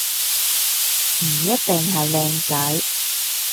唔一定係靚仔